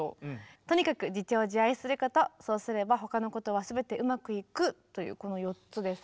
「とにかく自重自愛することそうすれば他のことはすべてうまくいく」。というこの４つですが。